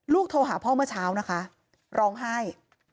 โทรหาพ่อเมื่อเช้านะคะร้องไห้